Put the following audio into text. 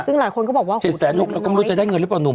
ซึ่งหลายคนก็บอกว่าโอ้โห๗๖๐๐บาทเราไม่รู้จะได้เงินหรือเปล่า